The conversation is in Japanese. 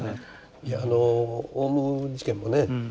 あのオウム事件もね